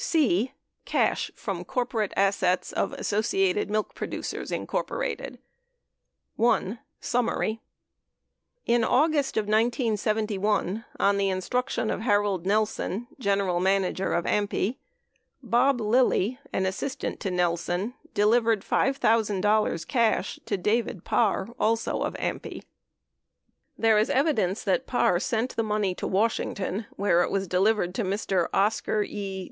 C. Cash From Corporate Assets of Associated Milk Producers, Inc. 1. SUMMARY In August of 1971, on the instruction of Harold Nelson, general manager of AMPI, Bob Lilly, an assistant to Nelson, delivered $5,000 cash to David Parr, also of AMPI. There is evidence that Parr sent the money to Washington where it was delivered to Mr. Oscar E.